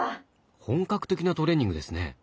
本格的なトレーニングですね。